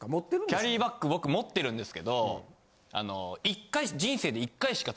キャリーバッグ僕持ってるんですけどあの１回。